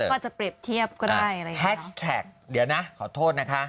ก็จะเปรียบเทียบก็ได้แฮชแทรกเดี๋ยวนะขอโทษนะคะ